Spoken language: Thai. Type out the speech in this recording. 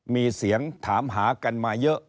มีเสียงถามหากันมาเยอะ